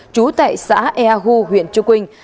chú tại xã eahu huyện chư quynh